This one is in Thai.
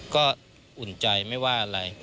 ก็อุ่นใจไม่ว่าอะไร